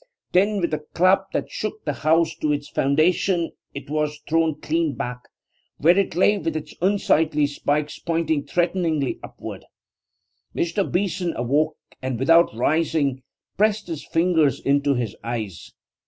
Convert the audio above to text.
Then, with a clap that shook the house to its foundation, it was thrown clean back, where it lay with its unsightly spikes pointing threateningly upward. Mr. Beeson awoke, and without rising, pressed his fingers into his eyes.